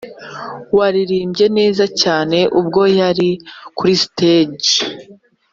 waririmbye neza cyane ubwo yari kuri stage